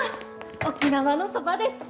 沖縄のそばです。